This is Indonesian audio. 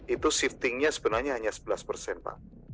itu shiftingnya sebenarnya hanya sebelas persen pak